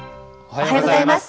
おはようございます。